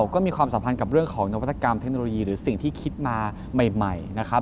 ก็มีความสัมพันธ์กับเรื่องของนวัตกรรมเทคโนโลยีหรือสิ่งที่คิดมาใหม่นะครับ